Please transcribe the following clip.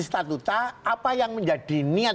statuta apa yang menjadi niat